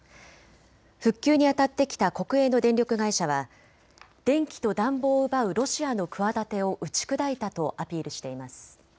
復旧にあたってきた国営の電力会社は電気と暖房を奪うロシアの企てを打ち砕いたとアピールしています。